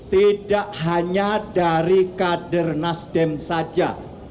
tidak hanya dari kader nasdem saja